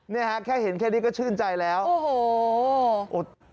เนี่ยฮะแค่เห็นแค่นี้ก็ชื่นใจแล้วโอ้โห